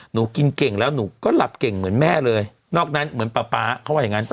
หนูกินเก่งแล้วหนูก็หลับเก่งเหมือนแม่เลยนอกนั้นเหมือนป๊าป๊าเขาว่าอย่างนั้น